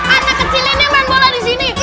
anak kecil ini main bola di sini